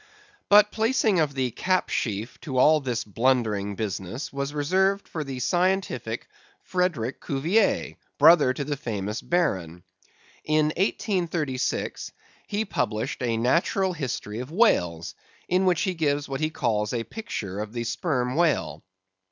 But the placing of the cap sheaf to all this blundering business was reserved for the scientific Frederick Cuvier, brother to the famous Baron. In 1836, he published a Natural History of Whales, in which he gives what he calls a picture of the Sperm Whale.